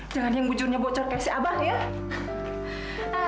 jangan yang bujurnya bocor kayak si abah ya